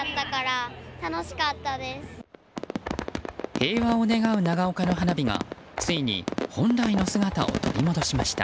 平和を願う長岡の花火がついに本来の姿を取り戻しました。